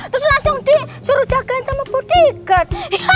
terus langsung di suruh jagain sama bodyguard